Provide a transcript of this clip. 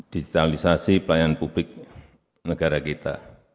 digitalisasi pelayanan publik negara kita